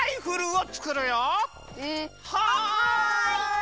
はい！